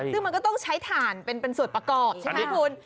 ซึ่งมันก็ต้องใช้ถ่านเป็นส่วนประกอบใช่ไหมคุณ